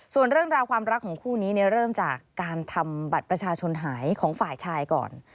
ส่วนเรื่องราวความรักของคู่นี้เริ่มจากการทำบัตรประชาชนหายของฝ่ายชายก่อน